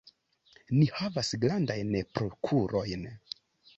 Ni havas grandajn prokurojn.